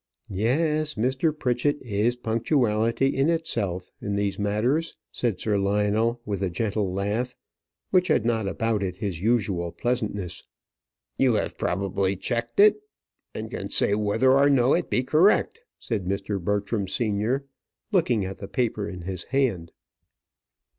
"Yes, Mr. Pritchett is punctuality itself in these matters," said Sir Lionel, with a gentle laugh, which had not about it all his usual pleasantness. "You have probably checked it, and can say whether or no it be correct," said Mr. Bertram senior, looking at the paper in his hand.